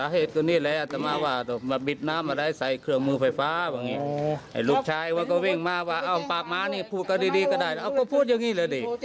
หนึ่งท่าไปฟังทางฝั่งนางจวนเขาเล่าว่าเธอนำผ้าเปียกไปสะบัดน้ำ